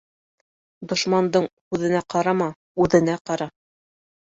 Дошмандың һүҙенә ҡарама, үҙенә ҡара.